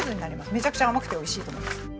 めちゃくちゃ甘くて美味しいと思います。